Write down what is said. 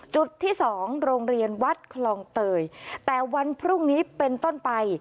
จุดที่สองโรงเรียนวัดคลองเตยแต่วันพรุ่งนี้เป็นต้นไป